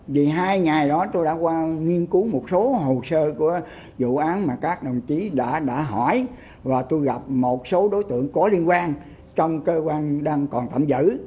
vì hai ngày đó tôi đã qua nghiên cứu một số hồ sơ của vụ án mà các đồng chí đã hỏi và tôi gặp một số đối tượng có liên quan trong cơ quan đang còn tạm giữ